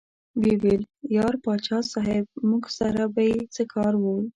ویې ویل: یار پاچا صاحب موږ سره به یې څه کار وي.